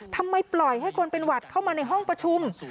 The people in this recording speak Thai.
ทำไมปล่อยให้คนเป็นหวัดเข้ามาในห้องประชุม